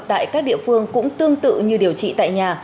tại các địa phương cũng tương tự như điều trị tại nhà